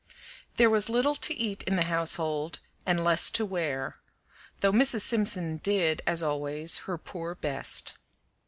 There was little to eat in the household and less to wear, though Mrs. Simpson did, as always, her poor best.